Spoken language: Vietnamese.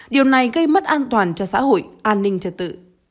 điều này gây mất an toàn cho xã hội an ninh trật tự